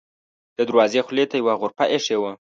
د دروازې خولې ته یوه غرفه اېښې وه.